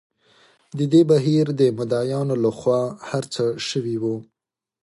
د دې بهیر د مدعییانو له خوا هر څه شوي وو.